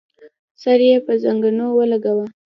سر يې پر زنګنو ولګاوه.